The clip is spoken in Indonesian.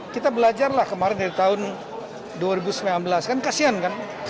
kita belajarlah kemarin dari tahun dua ribu sembilan belas kan kasian kan